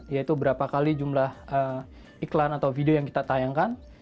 yaitu berapa kali jumlah iklan atau video yang kita tayangkan